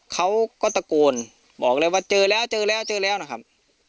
เขาก็ตะโกนบอกเลยว่าเจอแล้วนะครับ